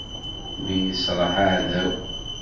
Mi yesraḥ aɛdaw.